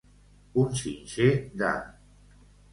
Un xinxer de.